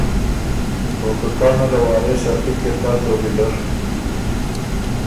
او که کانه له وارث ا پِکر تر دوک ویزر